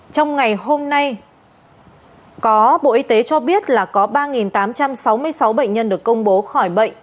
trong ngày hôm nay có bộ y tế cho biết là có ba tám trăm sáu mươi sáu bệnh nhân được công bố khỏi bệnh